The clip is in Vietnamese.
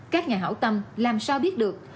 các nhà hảo tâm làm sao biết được